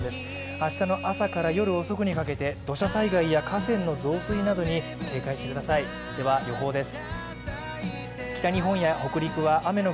明日の朝から夜遅くにかけて土砂災害や河川の増水などに警戒してくださいでは予報です。